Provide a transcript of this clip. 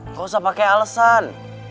lo gak usah pake alesan